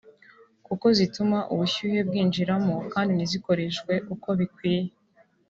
kuko zituma ubushyuhe bwinjiramo kandi ntizikoreshwe uko bikwiye